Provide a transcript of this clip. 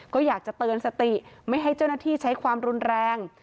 ก็อยากจะเตือนสติไม่ให้เจ้าหน้าที่ใช้ความรุนแรง